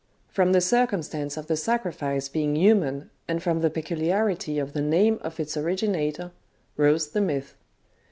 From the circumstance of the sacrifice being human, and from the peculiarity of the name of its originator, rose the myth.